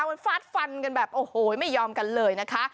มันฟาดฟันกันแบบโอ้โหไม่ยอมกันเลยนะคะ